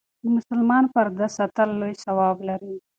د مسلمان پرده ساتل لوی ثواب لري.